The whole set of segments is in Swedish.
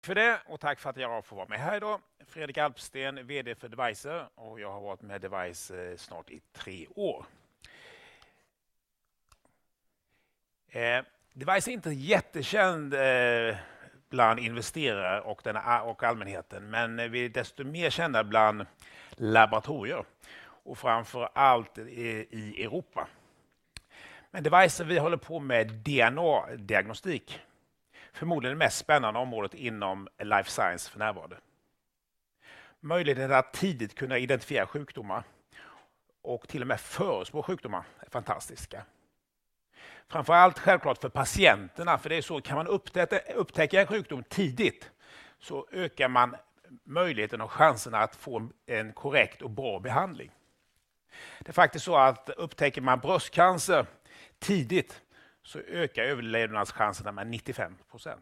Tack för det och tack för att jag får vara med här idag. Fredrik Alpsten, VD för Devize, och jag har varit med Devize snart i tre år. Devize är inte jättekänd bland investerare och allmänheten, men vi är desto mer kända bland laboratorier och framför allt i Europa. Devize, vi håller på med DNA-diagnostik, förmodligen det mest spännande området inom life science för närvarande. Möjligheten att tidigt kunna identifiera sjukdomar och till och med förutspå sjukdomar är fantastiska. Framför allt självklart för patienterna, för det är så, kan man upptäcka en sjukdom tidigt, så ökar man möjligheten och chanserna att få en korrekt och bra behandling. Det är faktiskt så att upptäcker man bröstcancer tidigt, så ökar överlevnadschanserna med 95%.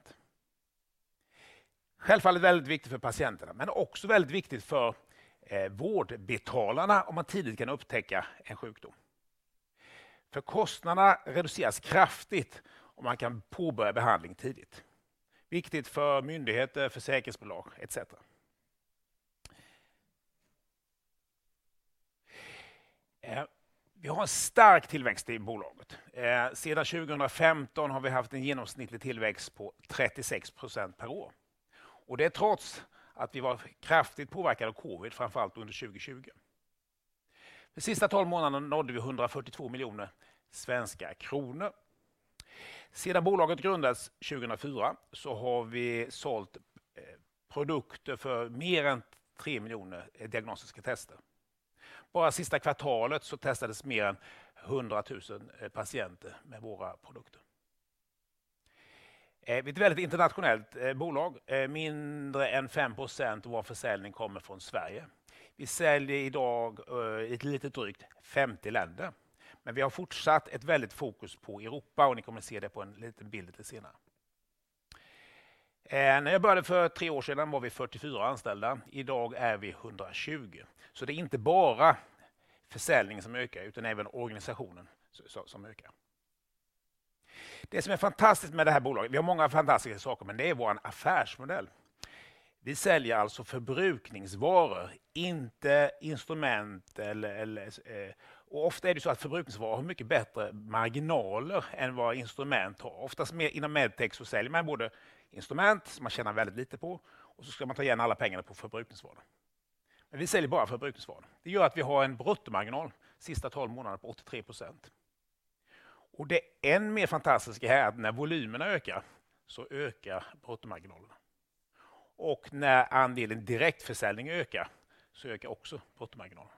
Självfallet väldigt viktigt för patienterna, men också väldigt viktigt för vårdbetalarna om man tidigt kan upptäcka en sjukdom. För kostnaderna reduceras kraftigt om man kan påbörja behandling tidigt. Viktigt för myndigheter, försäkringsbolag et cetera. Vi har en stark tillväxt i bolaget. Sedan 2015 har vi haft en genomsnittlig tillväxt på 36% per år. Det trots att vi var kraftigt påverkade av Covid, framför allt under 2020. Det sista tolv månaden nådde vi 142 miljoner svenska kronor. Sedan bolaget grundades 2004, så har vi sålt produkter för mer än tre miljoner diagnostiska tester. Bara sista kvartalet så testades mer än hundra tusen patienter med våra produkter. Vi är ett väldigt internationellt bolag, mindre än 5% av vår försäljning kommer från Sverige. Vi säljer i dag i ett litet drygt femtio länder, men vi har fortsatt ett väldigt fokus på Europa och ni kommer att se det på en liten bild lite senare. När jag började för tre år sedan var vi 44 anställda, i dag är vi 120. Det är inte bara försäljningen som ökar, utan även organisationen som ökar. Det som är fantastiskt med det här bolaget, vi har många fantastiska saker, men det är vår affärsmodell. Vi säljer alltså förbrukningsvaror, inte instrument eller... Ofta är det så att förbrukningsvaror har mycket bättre marginaler än vad instrument har. Oftast inom Medtech så säljer man både instrument, som man tjänar väldigt lite på, och så ska man ta igen alla pengarna på förbrukningsvaror. Men vi säljer bara förbrukningsvaror. Det gör att vi har en bruttomarginal sista tolv månader på 83%. Det än mer fantastiska här är att när volymerna ökar, så ökar bruttomarginalen. När andelen direktförsäljning ökar, så ökar också bruttomarginalen.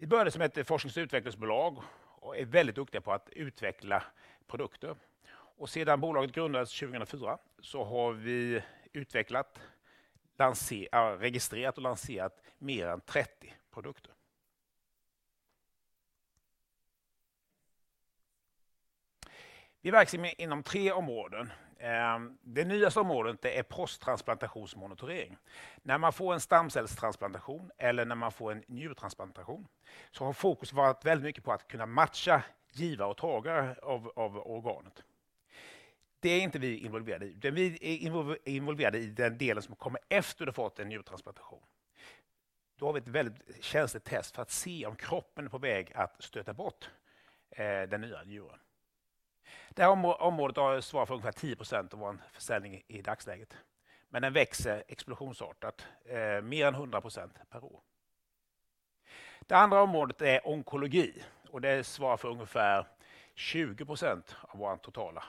Vi började som ett forsknings- och utvecklingsbolag och är väldigt duktiga på att utveckla produkter. Sedan bolaget grundades 2004 så har vi utvecklat, registrerat och lanserat mer än trettio produkter. Vi är verksamma inom tre områden. Det nyaste området, det är posttransplantationsmonitorering. När man får en stamcellstransplantation eller när man får en njurtransplantation så har fokus varit väldigt mycket på att kunna matcha givare och tagare av organet. Det är inte vi involverade i. Det vi är involverade i den delen som kommer efter du fått en njurtransplantation. Då har vi ett väldigt känsligt test för att se om kroppen är på väg att stöta bort den nya njuren. Det här området, området svarar för ungefär 10% av vår försäljning i dagsläget, men den växer explosionsartat, mer än 100% per år. Det andra området är onkologi och det svarar för ungefär 20% av vår totala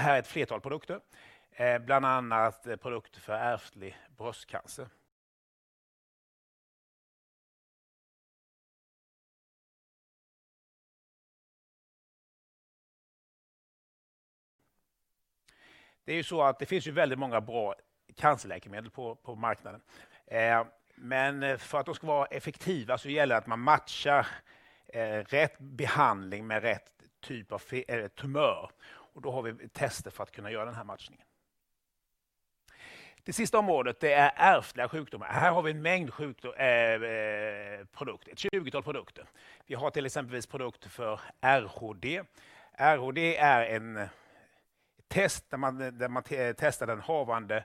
omsättning. Vi har ett flertal produkter, bland annat produkter för ärftlig bröstcancer. Det är ju så att det finns ju väldigt många bra cancerläkemedel på marknaden. Men för att de ska vara effektiva så gäller det att man matchar rätt behandling med rätt typ av tumör och då har vi tester för att kunna göra den här matchningen. Det sista området, det är ärftliga sjukdomar. Här har vi en mängd sjukdomar, produkter, ett tjugotal produkter. Vi har till exempelvis produkter för RHD. RHD är en test där man testar den havande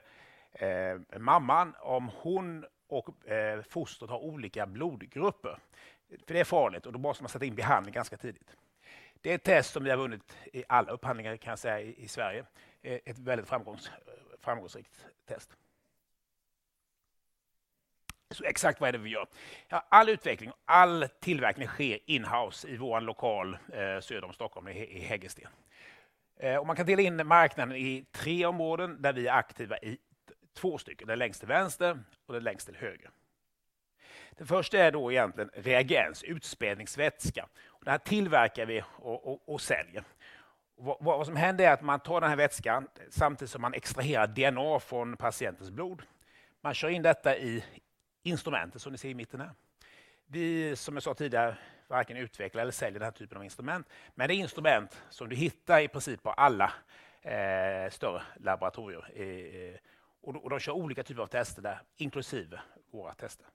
mamman, om hon och fostret har olika blodgrupper. För det är farligt och då måste man sätta in behandling ganska tidigt. Det är ett test som vi har vunnit i alla upphandlingar kan jag säga i Sverige. Ett väldigt framgångsrikt test. Så exakt vad är det vi gör? All utveckling, all tillverkning sker in-house i vår lokal söder om Stockholm, i Hägersten. Man kan dela in marknaden i tre områden där vi är aktiva i två stycken, den längst till vänster och den längst till höger. Det första är då egentligen reagens, utspädningsvätska. Det här tillverkar vi och säljer. Vad som händer är att man tar den här vätskan samtidigt som man extraherar DNA från patientens blod. Man kör in detta i instrumentet som ni ser i mitten här. Vi, som jag sa tidigare, varken utvecklar eller säljer den här typen av instrument, men det är instrument som du hittar i princip på alla större laboratorier. De kör olika typer av tester där, inklusive våra tester.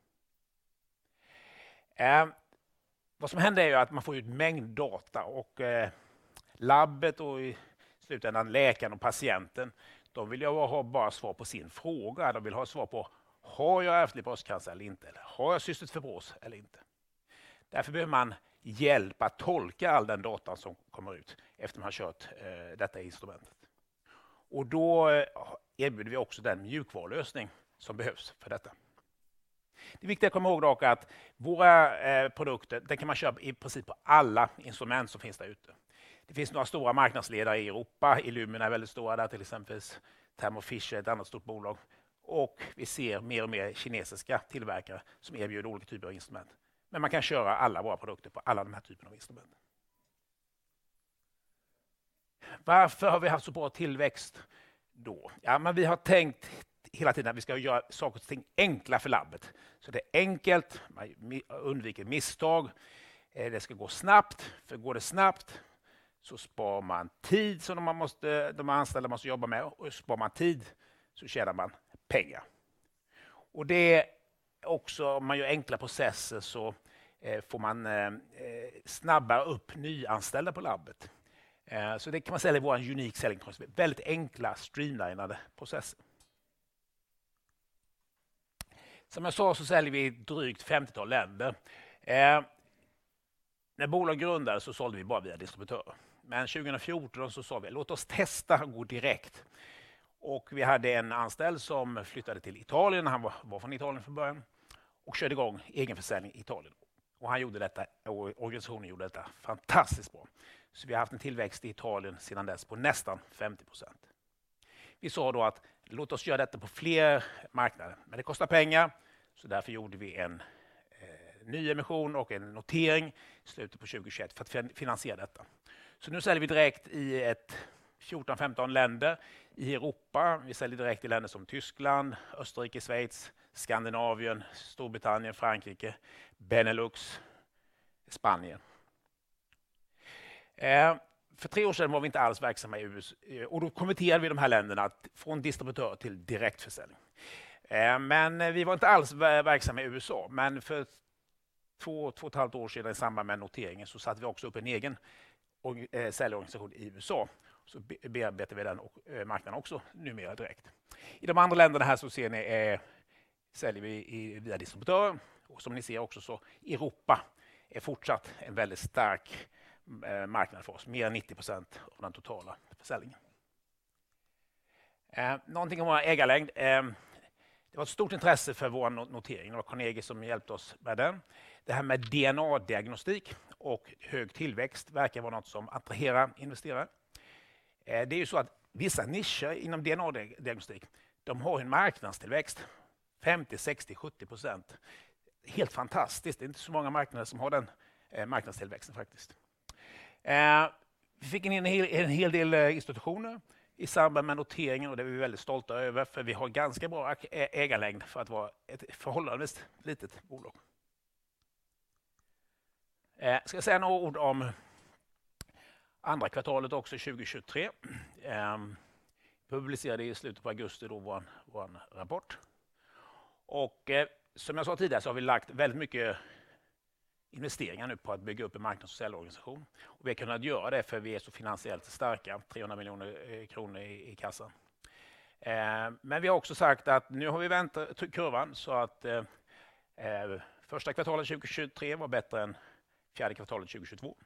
Vad som händer är ju att man får ut mängd data och labbet och i slutändan läkaren och patienten, de vill ju ha bara svar på sin fråga. De vill ha svar på: Har jag ärftlig bröstcancer eller inte? Eller har jag cystisk fibros eller inte? Därför behöver man hjälp att tolka all den datan som kommer ut efter man kört detta instrument. Då erbjuder vi också den mjukvarulösning som behövs för detta. Det viktiga att komma ihåg dock att våra produkter, den kan man köpa i princip på alla instrument som finns där ute. Det finns några stora marknadsledare i Europa. Illumina är väldigt stora där, till exempel, Thermo Fisher, ett annat stort bolag, och vi ser mer och mer kinesiska tillverkare som erbjuder olika typer av instrument. Men man kan köra alla våra produkter på alla de här typerna av instrument. Varför har vi haft så bra tillväxt då? Ja, men vi har tänkt hela tiden att vi ska göra saker och ting enkla för labbet. Så det är enkelt, man undviker misstag. Det ska gå snabbt, för går det snabbt så spar man tid som de måste, de anställda måste jobba med och spar man tid så tjänar man pengar. Och det är också, om man gör enkla processer, så får man snabba upp nyanställda på labbet. Så det kan man säga är vår unik selling, väldigt enkla, streamlinade process. Som jag sa, så säljer vi i drygt femtiotal länder. När bolaget grundades så sålde vi bara via distributörer, men 2014 så sa vi: Låt oss testa att gå direkt. Och vi hade en anställd som flyttade till Italien. Han var från Italien från början och körde i gång egen försäljning i Italien. Han gjorde detta, och organisationen gjorde detta fantastiskt bra. Vi har haft en tillväxt i Italien sedan dess på nästan 50%. Vi sa då att låt oss göra detta på fler marknader, men det kostar pengar. Därför gjorde vi en nyemission och en notering i slutet på 2021 för att finansiera detta. Nu säljer vi direkt i ett fjorton, femton länder i Europa. Vi säljer direkt i länder som Tyskland, Österrike, Schweiz, Skandinavien, Storbritannien, Frankrike, Benelux, Spanien. För tre år sedan var vi inte alls verksamma i USA. Då konverterade vi de här länderna från distributör till direktförsäljning. Vi var inte alls verksamma i USA, men för två, två och ett halvt år sedan, i samband med noteringen, så satte vi också upp en egen säljorganisation i USA. Vi bearbetar den marknaden också numera direkt. I de andra länderna här så ser ni, säljer vi via distributörer och som ni ser också så, Europa är fortsatt en väldigt stark marknad för oss. Mer än 90% av den totala försäljningen. Någonting om vår ägarlängd. Det var ett stort intresse för vår notering och Carnegie, som hjälpte oss med den. Det här med DNA-diagnostik och hög tillväxt verkar vara något som attraherar investerare. Det är ju så att vissa nischer inom DNA-diagnostik, de har en marknadstillväxt, 50%, 60%, 70%. Helt fantastiskt! Det är inte så många marknader som har den marknadstillväxten faktiskt. Vi fick in en hel del institutioner i samband med noteringen och det är vi väldigt stolta över, för vi har ganska bra ägarlängd för att vara ett förhållandevis litet bolag. Jag ska säga några ord om andra kvartalet också, 2023. Publicerade i slutet på augusti då vår rapport. Och som jag sa tidigare så har vi lagt väldigt mycket investeringar nu på att bygga upp en marknad och säljorganisation. Vi har kunnat göra det för vi är så finansiellt starka, 300 miljoner kronor i kassan. Men vi har också sagt att nu har vi vänt kurvan så att första kvartalet 2023 var bättre än fjärde kvartalet 2022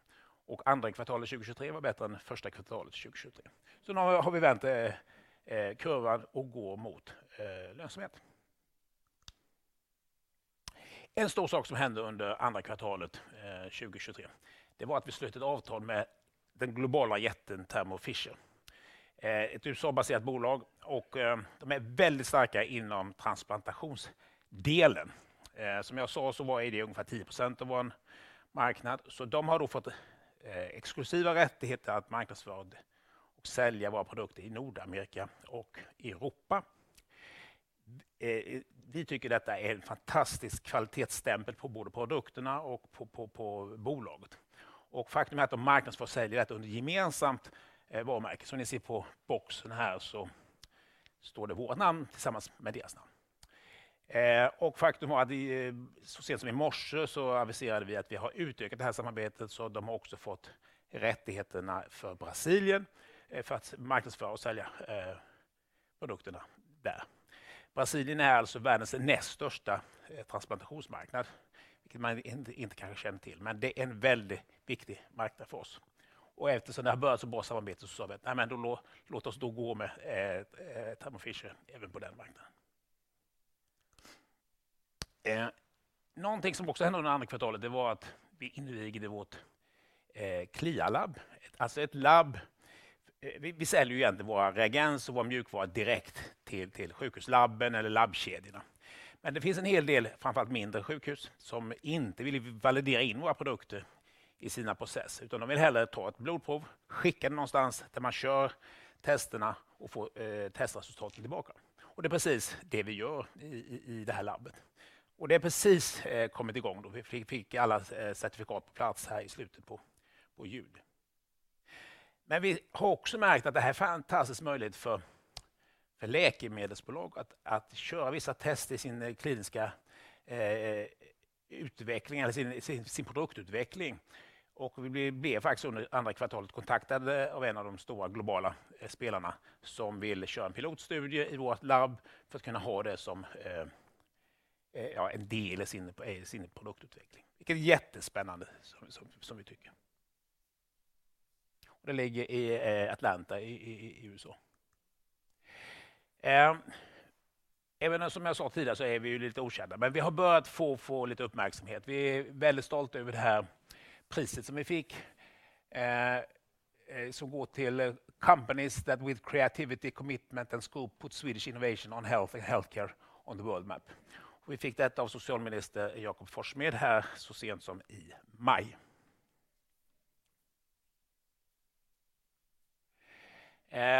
och andra kvartalet 2023 var bättre än första kvartalet 2023. Så nu har vi vänt kurvan och går mot lönsamhet. En stor sak som hände under andra kvartalet 2023, det var att vi slöt ett avtal med den globala jätten Thermo Fisher, ett USA-baserat bolag, och de är väldigt starka inom transplantationsdelen. Som jag sa så var det ungefär 10% av vår marknad, så de har då fått exklusiva rättigheter att marknadsföra och sälja våra produkter i Nordamerika och Europa. Vi tycker detta är en fantastisk kvalitetsstämpel på både produkterna och på bolaget. Faktum är att de marknadsför och säljer detta under gemensamt varumärke. Som ni ser på boxen här så står det vårt namn tillsammans med deras namn. Faktum var att så sent som i morse så aviserade vi att vi har utökat det här samarbetet, så de har också fått rättigheterna för Brasilien, för att marknadsföra och sälja produkterna där. Brasilien är alltså världens näst största transplantationsmarknad, vilket man inte kanske känner till, men det är en väldigt viktig marknad för oss. Och eftersom det har börjat så bra samarbete så sa vi: Nej, men då låt oss då gå med Thermo Fisher även på den marknaden. Någonting som också hände under andra kvartalet, det var att vi invigde vårt Clia Lab, alltså ett labb. Vi säljer ju egentligen våra reagens och vår mjukvara direkt till sjukhuslabben eller labbkedjorna. Men det finns en hel del, framför allt mindre sjukhus, som inte vill validera in våra produkter i sina processer. Utan de vill hellre ta ett blodprov, skicka det någonstans där man kör testerna och få testresultaten tillbaka. Och det är precis det vi gör i det här labbet. Och det har precis kommit i gång. Vi fick alla certifikat på plats här i slutet på juni. Men vi har också märkt att det här är en fantastisk möjlighet för läkemedelsbolag att köra vissa test i sin kliniska utveckling eller sin produktutveckling. Vi blev faktiskt under andra kvartalet kontaktade av en av de stora globala spelarna som vill köra en pilotstudie i vårt labb för att kunna ha det som en del i sin produktutveckling. Vilket är jättespännande, som vi tycker. Det ligger i Atlanta, i USA. Även som jag sa tidigare så är vi lite okända, men vi har börjat få lite uppmärksamhet. Vi är väldigt stolta över det här priset som vi fick som går till companies that with creativity, commitment and scope put Swedish innovation on health and healthcare on the world map. Vi fick detta av socialminister Jakob Forssmed här så sent som i maj.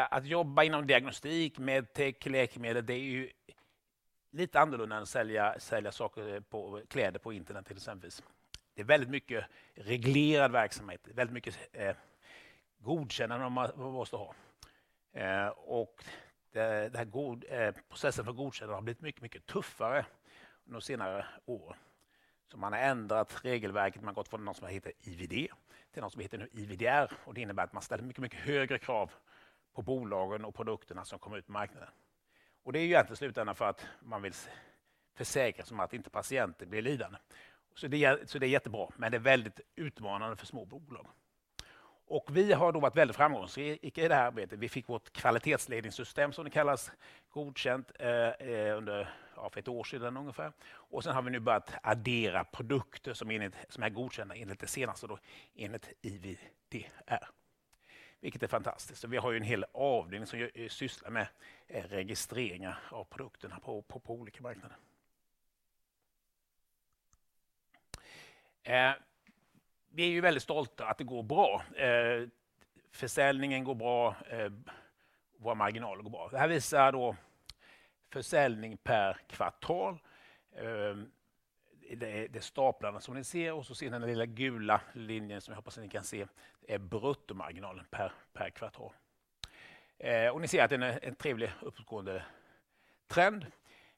Att jobba inom diagnostik med tech läkemedel, det är ju lite annorlunda än att sälja saker på, kläder på internet till exempelvis. Det är väldigt mycket reglerad verksamhet, väldigt mycket godkännande man måste ha. Det här processen för godkännande har blivit mycket, mycket tuffare under senare år. Man har ändrat regelverket, man gått från något som heter IVD till något som heter nu IVDR och det innebär att man ställer mycket, mycket högre krav på bolagen och produkterna som kommer ut på marknaden. Det är ju egentligen i slutändan för att man vill försäkra sig om att inte patienter blir lidande. Det är jättebra, men det är väldigt utmanande för små bolag. Vi har då varit väldigt framgångsrika i det här arbetet. Vi fick vårt kvalitetsledningssystem, som det kallas, godkänt under, ja för ett år sedan ungefär. Och sen har vi nu börjat addera produkter som är godkända enligt det senaste, då enligt IVDR, vilket är fantastiskt. Vi har ju en hel avdelning som sysslar med registreringar av produkterna på olika marknader. Vi är ju väldigt stolta att det går bra. Försäljningen går bra, våra marginaler går bra. Det här visar då försäljning per kvartal. Det är staplarna som ni ser och så ser ni den lilla gula linjen som jag hoppas att ni kan se, är bruttomarginalen per kvartal. Ni ser att det är en trevlig uppåtgående trend.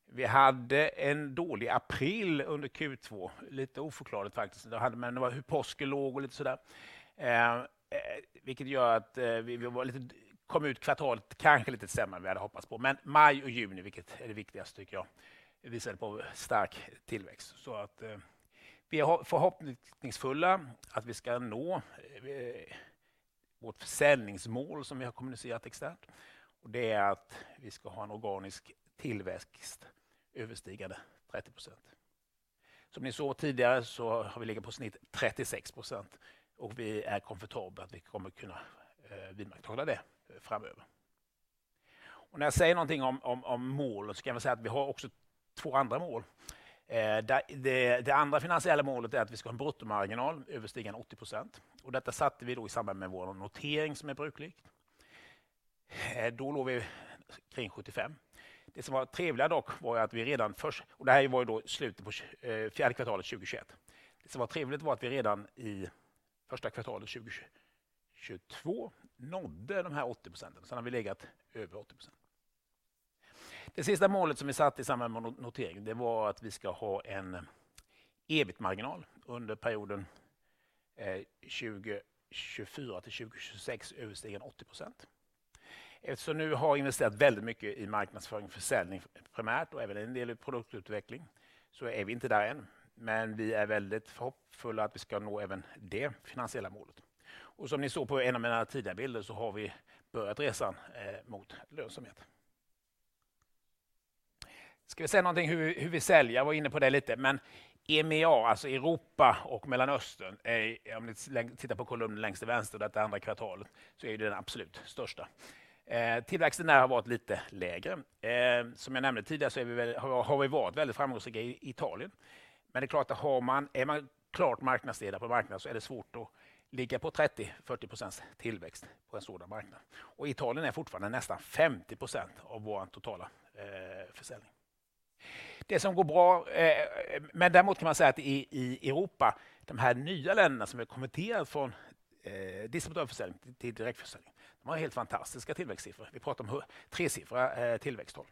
Vi hade en dålig april under Q2. Lite oförklarligt faktiskt. Då hade man påsken låg och lite sådär, vilket gör att vi var lite, kom ut kvartalet, kanske lite sämre än vi hade hoppats på. Men maj och juni, vilket är det viktigaste tycker jag, visar på stark tillväxt. Så att vi är förhoppningsfulla att vi ska nå vårt försäljningsmål som vi har kommunicerat externt. Det är att vi ska ha en organisk tillväxt överstigande 30%. Som ni såg tidigare så har vi legat på snitt 36% och vi är komfortabla att vi kommer kunna vidmakthålla det framöver. När jag säger någonting om målet så kan jag väl säga att vi har också två andra mål. Det andra finansiella målet är att vi ska ha en bruttomarginal överstigande 80%. Detta satte vi då i samband med vår notering, som är brukligt. Då låg vi kring 75%. Det som var trevliga dock var att vi redan först, och det här var då slutet på fjärde kvartalet 2021. Det som var trevligt var att vi redan i första kvartalet 2022 nådde de här 80%. Sen har vi legat över 80%. Det sista målet som vi satte i samband med noteringen, det var att vi ska ha en EBIT-marginal under perioden 2024 till 2026 överstigande 80%. Eftersom vi nu har investerat väldigt mycket i marknadsföring, försäljning primärt, och även en del i produktutveckling, så är vi inte där än. Men vi är väldigt förhoppningsfulla att vi ska nå även det finansiella målet. Som ni såg på en av mina tidigare bilder så har vi börjat resan mot lönsamhet. Ska vi säga något om hur vi säljer? Jag var inne på det lite, men EMEA, alltså Europa och Mellanöstern, är, om ni tittar på kolumnen längst till vänster, detta andra kvartalet, så är det den absolut största. Tillväxten där har varit lite lägre. Som jag nämnde tidigare så har vi varit väldigt framgångsrika i Italien. Men det är klart att har man, är man klart marknadsledare på marknaden så är det svårt att ligga på 30%, 40% tillväxt på en sådan marknad. Italien är fortfarande nästan 50% av vår totala försäljning. Det som går bra, men däremot kan man säga att i Europa, de här nya länderna som är konverterat från distributörsförsäljning till direktförsäljning, de har helt fantastiska tillväxtsiffror. Vi pratar om tresiffriga tillväxttal,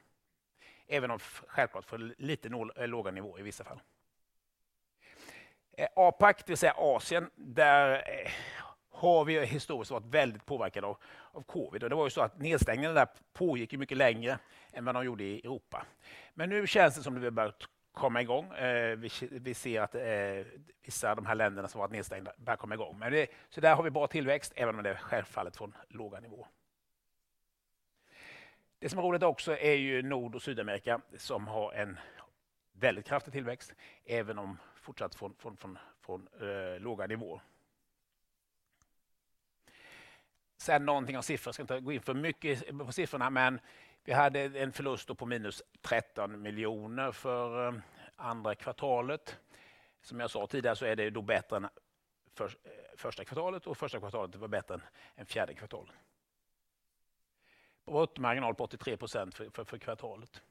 även om självklart från lite låga nivåer i vissa fall. APAC, det vill säga Asien, där har vi historiskt varit väldigt påverkade av covid. Det var ju så att nedstängningen där pågick ju mycket längre än vad de gjorde i Europa. Men nu känns det som om det börjat komma i gång. Vi ser att vissa av de här länderna som har varit nedstängda börjar komma i gång. Men det, så där har vi bra tillväxt, även om det självfallet från låga nivåer. Det som är roligt också är ju Nord- och Sydamerika, som har en väldigt kraftig tillväxt, även om fortsatt från låga nivåer. Sen någonting av siffror. Jag ska inte gå in för mycket på siffrorna, men vi hade en förlust på minus 13 miljoner för andra kvartalet. Som jag sa tidigare så är det då bättre än första kvartalet och första kvartalet var bättre än fjärde kvartalet. Bruttomarginal på 83% för kvartalet.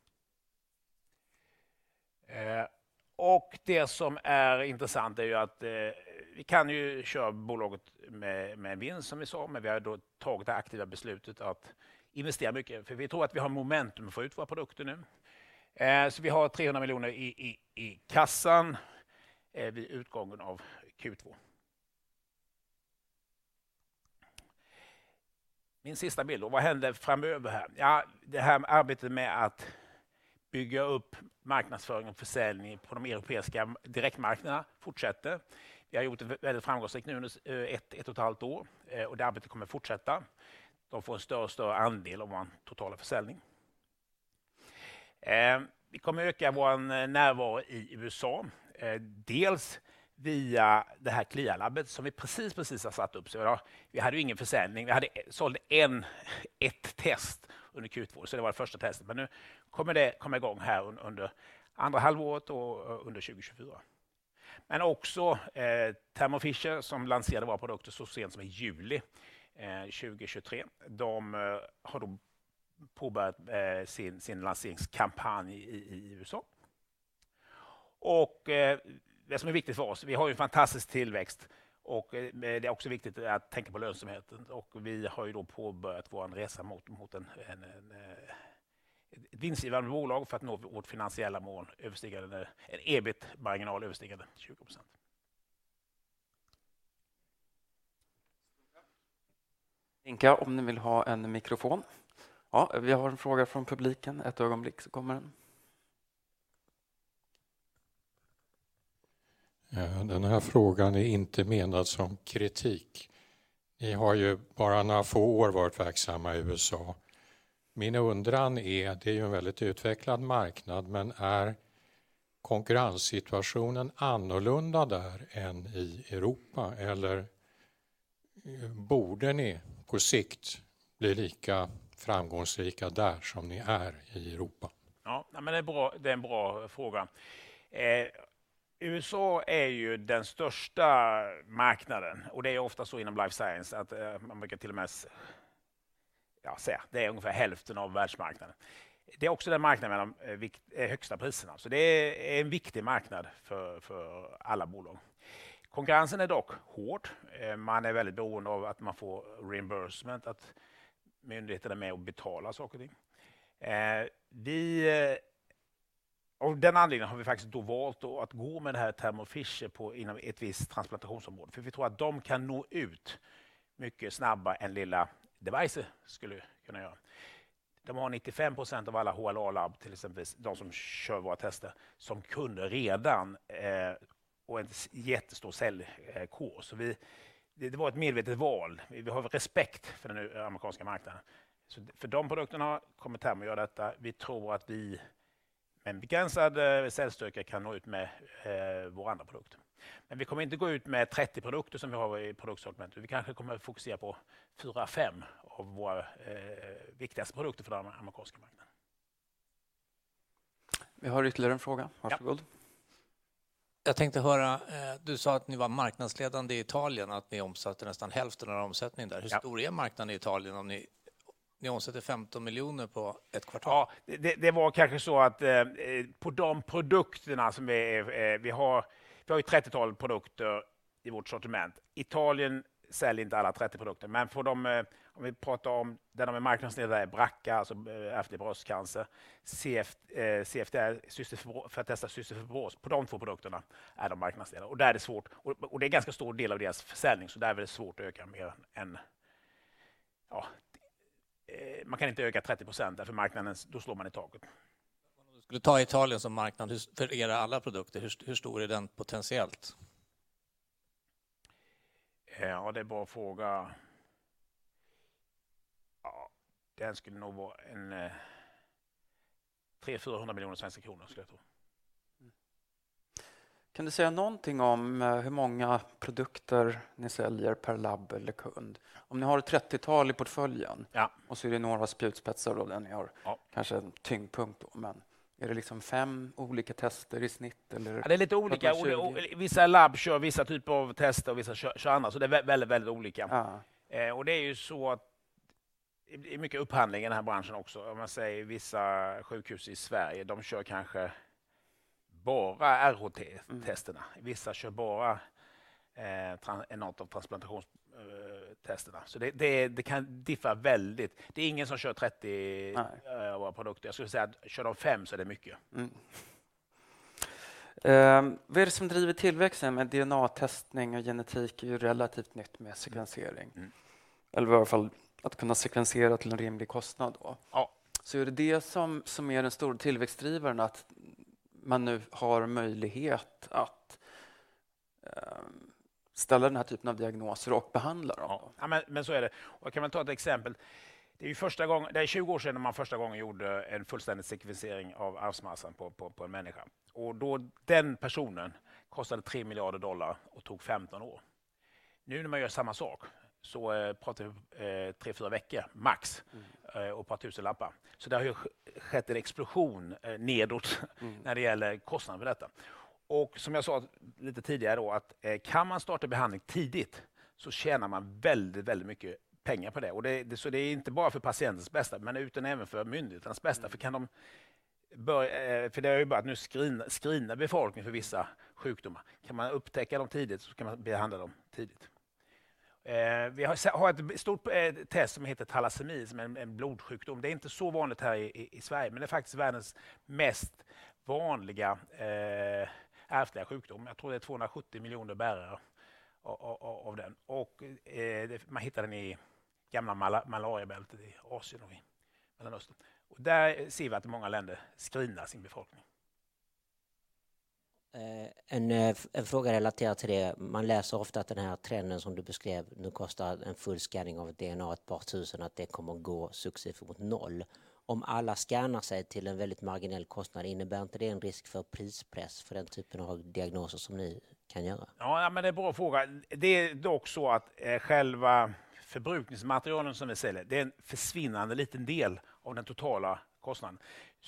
Det som är intressant är ju att vi kan ju köra bolaget med vinst som vi sa, men vi har då tagit det aktiva beslutet att investera mycket, för vi tror att vi har momentum att få ut våra produkter nu. Så vi har 300 miljoner i kassan vid utgången av Q2. Min sista bild, och vad händer framöver här? Ja, det här arbetet med att bygga upp marknadsföring och försäljning på de europeiska direktmarknaderna fortsätter. Vi har gjort ett väldigt framgångsrikt nu under ett, ett och ett halvt år och det arbetet kommer fortsätta. De får en större och större andel av vår totala försäljning. Vi kommer öka vår närvaro i USA, dels via det här CLIA-labbet som vi precis, precis har satt upp. Vi hade ju ingen försäljning. Vi hade sålt en, ett test under Q2, så det var det första testet, men nu kommer det komma igång här under andra halvåret och under 2024. Men också Thermo Fisher, som lanserade våra produkter så sent som i juli 2023. De har då påbörjat sin, sin lanseringskampanj i USA. Det som är viktigt för oss, vi har ju en fantastisk tillväxt och det är också viktigt att tänka på lönsamheten och vi har ju då påbörjat vår resa mot ett vinstdrivande bolag för att nå vårt finansiella mål, överstiga en EBIT-marginal överstigande 20%. Tänka om ni vill ha en mikrofon. Ja, vi har en fråga från publiken. Ett ögonblick så kommer den. Den här frågan är inte menad som kritik. Ni har ju bara några få år varit verksamma i USA. Min undran är, det är ju en väldigt utvecklad marknad, men är konkurrenssituationen annorlunda där än i Europa? Eller borde ni på sikt bli lika framgångsrika där som ni är i Europa? Ja, det är en bra fråga. USA är ju den största marknaden och det är ofta så inom life science att man brukar till och med, ja säga, det är ungefär hälften av världsmarknaden. Det är också den marknaden med de högsta priserna, så det är en viktig marknad för alla bolag. Konkurrensen är dock hård. Man är väldigt beroende av att man får reimbursement, att myndigheterna är med och betalar saker och ting. Av den anledningen har vi faktiskt då valt att gå med det här Thermo Fisher på inom ett visst transplantationsområde, för vi tror att de kan nå ut mycket snabbare än lilla Devize skulle kunna göra. De har 95% av alla HLA-labb, till exempel, de som kör våra tester, som kunder redan och en jättestor säljkår. Det var ett medvetet val. Vi har respekt för den amerikanska marknaden. För de produkterna kommer Thermo göra detta. Vi tror att vi med en begränsad säljstyrka kan nå ut med våra andra produkter. Men vi kommer inte gå ut med trettio produkter som vi har i produktsortimentet. Vi kanske kommer att fokusera på fyra, fem av våra viktigaste produkter för den amerikanska marknaden. Vi har ytterligare en fråga. Varsågod. Jag tänkte höra, du sa att ni var marknadsledande i Italien, att ni omsatte nästan hälften av omsättningen där. Hur stor är marknaden i Italien om ni omsätter 15 miljoner på ett kvartal? Ja, det var kanske så att på de produkterna som vi har. Vi har ju ett trettiotal produkter i vårt sortiment. Italien säljer inte alla trettio produkter, men för de, om vi pratar om den marknadsledande Braca, alltså efter bröstcancer, CFTR för att testa cystisk fibros. På de två produkterna är de marknadsledande och där är det svårt. Det är en ganska stor del av deras försäljning, så där är det svårt att öka mer än, ja, man kan inte öka 30% där för marknaden, då slår man i taket. Om du skulle ta Italien som marknad för era alla produkter, hur stor är den potentiellt? Ja, det är en bra fråga. Ja, den skulle nog vara en 300-400 miljoner svenska kronor skulle jag tro. Kan du säga någonting om hur många produkter ni säljer per labb eller kund? Om ni har ett trettiotal i portföljen. Ja. Och så är det några spjutspetsar av det ni har. Ja. Kanske en tyngdpunkt, men är det liksom fem olika tester i snitt? Det är lite olika. Vissa labb kör vissa typer av tester och vissa kör annat. Så det är väldigt, väldigt olika. Ja. Och det är ju så att det är mycket upphandling i den här branschen också. Om man säger vissa sjukhus i Sverige, de kör kanske bara ROT-testerna. Vissa kör bara en art av transplantationstesterna. Så det kan diffa väldigt. Det är ingen som kör trettio av våra produkter. Jag skulle säga att kör de fem så är det mycket. Vad är det som driver tillväxten med DNA-testning och genetik? Det är ju relativt nytt med sekvensering. Eller i alla fall att kunna sekvensera till en rimlig kostnad då. Ja. Så är det det som är den stora tillväxtdrivaren, att man nu har möjlighet att ställa den här typen av diagnoser och behandla dem? Ja, men så är det. Jag kan väl ta ett exempel. Det är ju första gången, det är tjugo år sedan man första gången gjorde en fullständig sekvensering av arvsmassan på en människa. Och då den personen kostade $3 miljarder och tog femton år. Nu när man gör samma sak, så pratar vi tre, fyra veckor max och ett par tusen lappar. Så det har ju skett en explosion nedåt när det gäller kostnaden för detta. Och som jag sa lite tidigare då, att kan man starta behandling tidigt så tjänar man väldigt, väldigt mycket pengar på det. Och det, så det är inte bara för patientens bästa, men utan även för myndighetens bästa. För kan de, för det är ju bara att nu screena, screena befolkningen för vissa sjukdomar. Kan man upptäcka dem tidigt så kan man behandla dem tidigt. Vi har ett stort test som heter thalassemi, som är en blodsjukdom. Det är inte så vanligt här i Sverige, men det är faktiskt världens mest vanliga ärftliga sjukdom. Jag tror det är 270 miljoner bärare av den. Man hittar den i gamla malariabältet i Asien och i Mellanöstern. Där ser vi att många länder screenar sin befolkning. En fråga relaterat till det. Man läser ofta att den här trenden som du beskrev, nu kostar en full scanning av ett DNA, ett par tusen, att det kommer att gå successivt mot noll. Om alla scannar sig till en väldigt marginell kostnad, innebär inte det en risk för prispress för den typen av diagnoser som ni kan göra? Ja, men det är en bra fråga. Det är dock så att själva förbrukningsmaterialen som vi säljer, det är en försvinnande liten del av den totala kostnaden.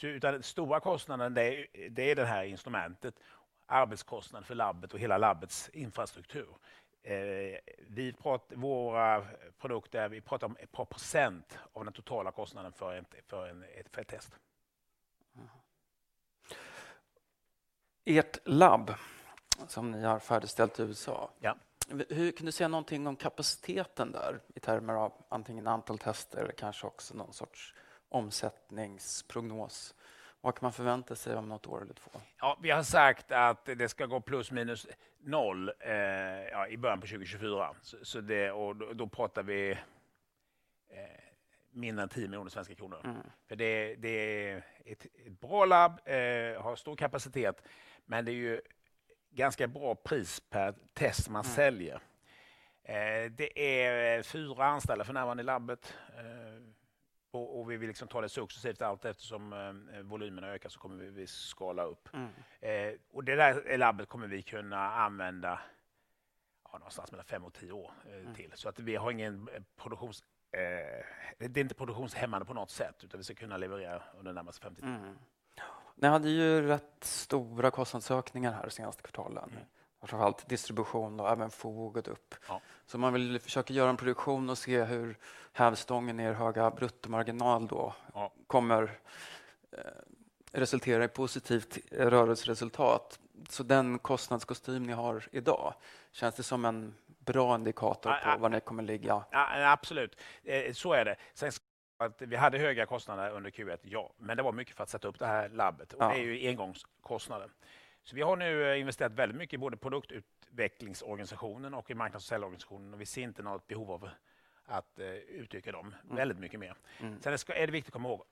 Utan den stora kostnaden, det är det här instrumentet, arbetskostnad för labbet och hela labbets infrastruktur. Vi, våra produkter, vi pratar om ett par procent av den totala kostnaden för ett test. Ett labb som ni har färdigställt i USA. Ja. Hur kan du säga någonting om kapaciteten där i termer av antingen antal tester eller kanske också någon sorts omsättningsprognos? Vad kan man förvänta sig om något år eller två? Ja, vi har sagt att det ska gå plus minus noll i början på 2024. Så det, och då pratar vi mindre än SEK 10 miljoner. För det, det är ett bra labb, har stor kapacitet, men det är ju ganska bra pris per test man säljer. Det är fyra anställda för närvarande i labbet och vi vill ta det successivt allteftersom volymerna ökar, så kommer vi skala upp. Och det där labbet kommer vi kunna använda någonstans mellan fem och tio år till. Så att vi har ingen produktions... Det är inte produktionshämmande på något sätt, utan vi ska kunna leverera under de närmaste femtio år. Ni hade ju rätt stora kostnadsökningar här senaste kvartalen, framför allt distribution och även FoU gått upp. Så om man väl försöker göra en projektion och se hur hävstången i er höga bruttomarginal då kommer resultera i positivt rörelseresultat. Så den kostnadskostym ni har idag, känns det som en bra indikator på var ni kommer att ligga? Absolut, så är det. Vi hade höga kostnader under Q1, ja, men det var mycket för att sätta upp det här labbet och det är ju engångskostnader. Så vi har nu investerat väldigt mycket i både produktutvecklingsorganisationen och i marknads- och säljorganisationen och vi ser inte något behov av att utöka dem väldigt mycket mer. Sen är det viktigt att komma ihåg,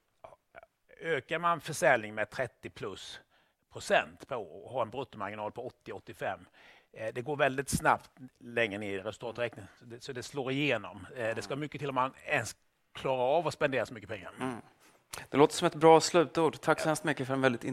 ökar man försäljning med 30+ % och har en bruttomarginal på 80, 85%. Det går väldigt snabbt längre ner i resultaträkningen, så det slår igenom. Det ska mycket till om man ens klarar av att spendera så mycket pengar. Det låter som ett bra slutord. Tack så hemskt mycket för en väldigt intressant-